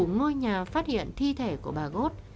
ngôi nhà phát hiện thi thể của bà gốt